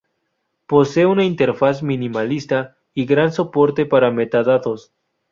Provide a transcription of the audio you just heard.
Posee una interfaz minimalista y gran soporte para metadatos.